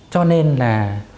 cho nên là